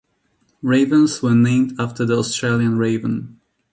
Ravens were named after the Australian raven.